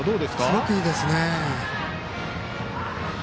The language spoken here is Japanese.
すごくいいですね。